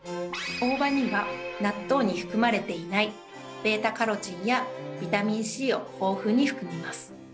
大葉には納豆に含まれていないベータカロテンやビタミンＣを豊富に含みます。